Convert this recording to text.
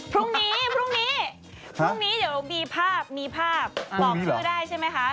พรุ่งนี้เดี๋ยวบีภาพมีภาพบอกชื่อได้ใช่ไหมคะ